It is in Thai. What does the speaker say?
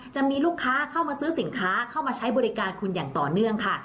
จะมีลูกค้าเข้ามาซื้อสินค้าเข้ามาใช้บริการคุณอย่างต่อเนื่องค่ะ